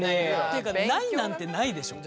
ていうかないなんてないでしょ。